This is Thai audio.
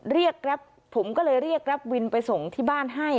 เรียกกรับผมก็เลยเรียกกรับวินไปส่งที่บ้านให้